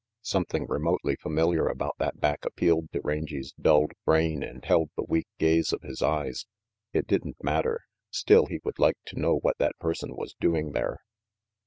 Something remotely familiar about that back appealed to Rangy's dulled brain and held the weak gaze of his eyes. It didn't matter; still he would like to know what that person was doing there.